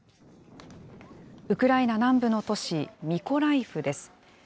ウクライナ南部の都市、ミコライフです。